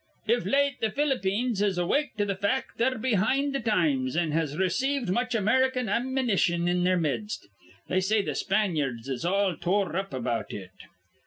Iv late th' Ph'lippeens has awaked to th' fact that they're behind th' times, an' has received much American amminition in their midst. They say th' Spanyards is all tore up about it.